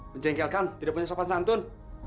menjengkelkan tidak punya sopan santun